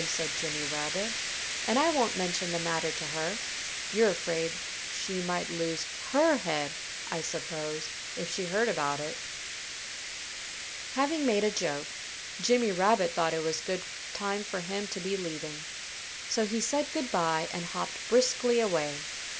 said Jimmy Rabbit. "And I won't mention the matter to her. You're afraid she might lose her head, I suppose, if she heard about it." Having made a joke, Jimmy Rabbit thought it was a good time for him to be leaving. So he said good by and hopped briskly away.